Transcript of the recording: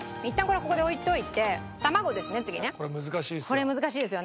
これ難しいですよ。